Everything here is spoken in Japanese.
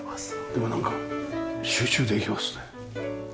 でもなんか集中できますね。